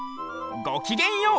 ごきげんよう。